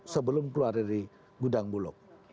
sebelum keluar dari gudang bulog